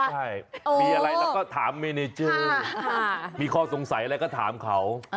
ใช่มีอะไรเราก็ถามเมเนเจอร์มีข้อสงสัยอะไรก็ถามเขา